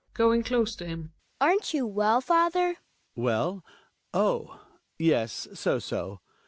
EDYiQ {going close to him). Aren't you well, father? Hjalmar. Well? Oh! yes, so, so.